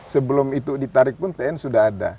sebelum itu ditarik pun tn sudah ada